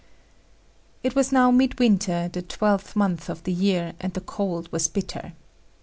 It was now midwinter, the twelfth month of the year, and the cold was bitter.